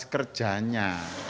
dan juga produktivitas kerjanya